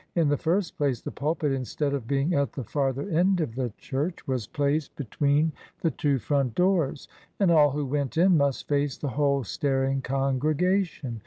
In the first place, the pulpit, instead of being at the farther end of the church, was placed be A STRONGHOLD OF ORTHODOXY 37 tween the two front doors, and all who went in must face the whole staring congregation.